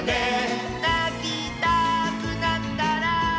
「なきたくなったら」